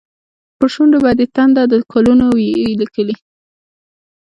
پر شونډو به دې تنده، د کلونو وي لیکلې